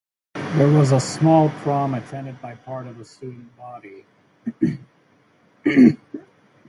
There was a small prom attended by part of the student body.